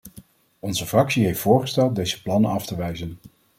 Onze fractie heeft voorgesteld deze plannen af te wijzen.